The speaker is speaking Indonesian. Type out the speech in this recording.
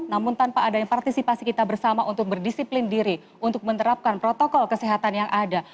namun tanpa adanya partisipasi kita bersama untuk berdisiplin diri untuk menerapkan protokol kesehatan yang ada